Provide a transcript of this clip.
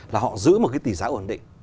là họ giữ một cái tỷ giá ổn định